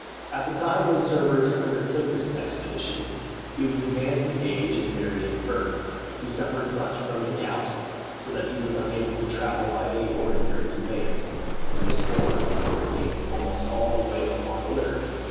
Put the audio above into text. At the time when Severus undertook this expedition, he was advanced in age and very infirm. He suffered much from the gout, so that he was unable to travel by any ordinary conveyance, and was borne, accordingly, almost all the way upon a litter.